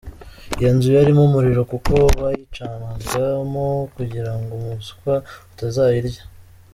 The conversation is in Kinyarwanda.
Iyo nzu yarimo umuriro kuko bayicanagamo kugira ngo umuswa utazayirya.